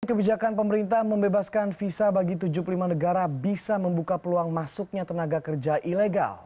kebijakan pemerintah membebaskan visa bagi tujuh puluh lima negara bisa membuka peluang masuknya tenaga kerja ilegal